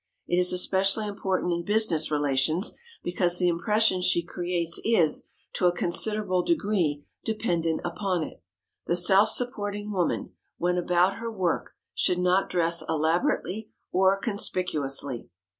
It is especially important in business relations because the impression she creates is, to a considerable degree, dependent upon it. The self supporting woman, when about her work, should not dress elaborately or conspicuously.